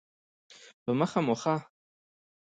په مخه مو ښه؟